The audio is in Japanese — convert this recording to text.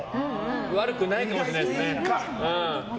悪くないかもしれないですね。